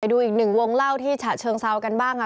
ดูอีกหนึ่งวงเล่าที่ฉะเชิงเซากันบ้างค่ะ